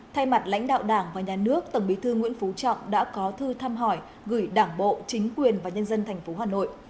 thay mặt lãnh đạo đảng và nhà nước tổng bí thư nguyễn phú trọng đã có thư thăm hỏi gửi đảng bộ chính quyền và nhân dân tp hà nội